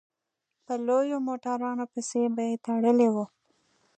په لویو موټرانو پسې به يې تړلي وو.